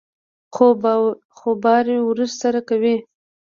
خوباري ورسره کوي.